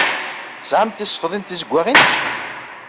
Tesɛamt tisefḍin tiẓeɣɣalin?